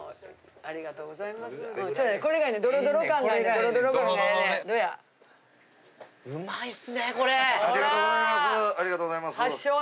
ありがとうございます。